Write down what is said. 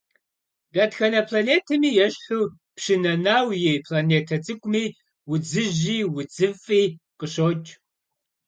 Дэтхэнэ планетэми ещхьу, Пщы Нэнау и планетэ цӀыкӀуми удзыжьи удзыфӀи къыщокӀ.